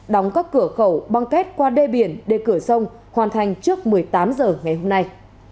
đóng các cửa khẩu băng kết qua đê biển để cửa sông hoàn thành trước một mươi tám giờ ngày hôm nay